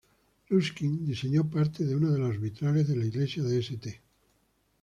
Ruskin diseñó parte de una de los vitrales de la iglesia de St.